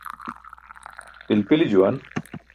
Pilpili juwan.